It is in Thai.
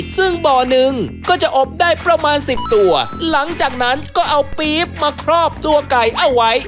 ซึ่งบ่อหนึ่งก็จะอบได้ประมาณสิบตัวหลังจากนั้นก็เอาปี๊บมาครอบตัวไก่เอาไว้